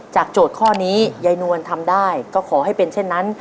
โจทย์ข้อนี้ยายนวลทำได้ก็ขอให้เป็นเช่นนั้น